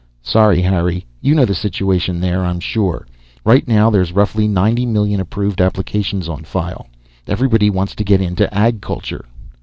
"Sorry, Harry. You know the situation there, I'm sure. Right now there's roughly ninety million approved applications on file. Everybody wants to get into Ag Culture."